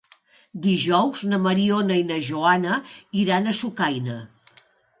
Dijous na Mariona i na Joana iran a Sucaina.